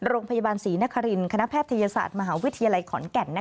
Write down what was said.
โรงพยาบาลศรีนครินคณะแพทยศาสตร์มหาวิทยาลัยขอนแก่น